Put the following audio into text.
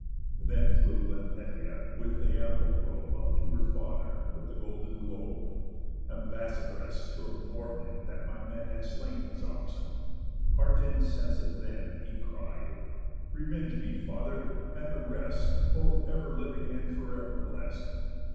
Then flew Lampetié with the ample robe Up to her father with the golden globe, Ambassadress t' inform him that my men Had slain his oxen. Heart incensed then, He cried: 'Revenge me, Father, and the rest Both ever living and for ever blest!